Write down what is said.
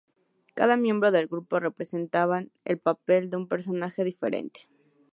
Cada miembro del grupo representaban el papel de un personaje diferente.